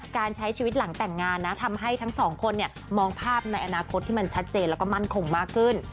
การใช้ชีวิตหลังแต่งงานนะทำให้ทั้งสองคนมองภาพในอนาคตที่มันชัดเจนแล้วก็มั่นคงมากขึ้น